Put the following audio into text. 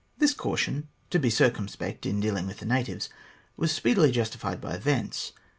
This caution to be circumspect in dealing with the natives was speedily justified by events.